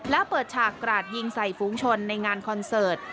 แล้วเปิดฉากกราดยิงใส่ฝูงชนในงานคอนเสิร์ต